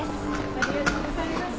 ありがとうございます。